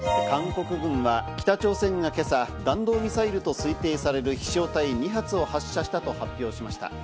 韓国軍は北朝鮮が今朝、弾道ミサイルと推定される飛翔体２発を発射したと発表しました。